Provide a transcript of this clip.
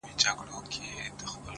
• په ځنګلونو کي یې نسل ور پایمال که,